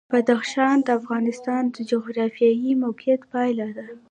بدخشان د افغانستان د جغرافیایي موقیعت پایله ده.